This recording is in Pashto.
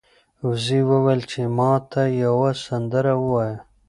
وزې وویل چې ما ته یوه سندره ووایه.